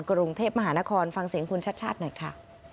กรุงเทพมหานครฟังเสียงคุณชัดชาติหน่อยค่ะ